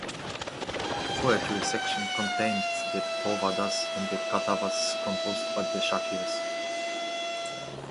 The poetry section contained the Povadas and the Katavas composed by the Shahirs.